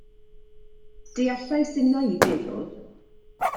Deallais innau ei feddwl.